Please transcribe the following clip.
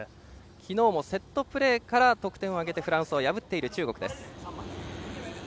昨日もセットプレーから得点を挙げてフランスを破った中国です。